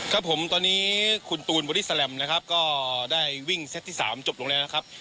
ครับผมตอนนี้คุณตูนบอดี้แลมนะครับก็ได้วิ่งเซตที่๓จบลงแล้วนะครับ